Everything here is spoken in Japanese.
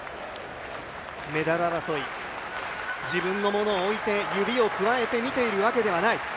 メダル争い、自分のものをおいて指をくわえて見ているわけではない。